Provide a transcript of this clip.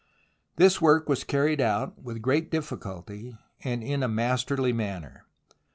This work was carried out with great difficulty, and in a masterly manner.